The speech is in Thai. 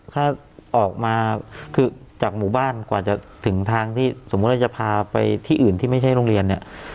ถ้าออกมาคือจากหมู่บ้านกว่าจะถึงทางที่สมมุติว่าจะพาไปที่อื่นที่ไม่ใช่โรงเรียนเนี่ย